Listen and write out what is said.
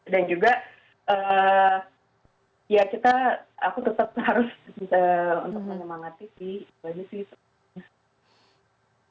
dan juga ya kita aku tetap harus untuk menyemangati sih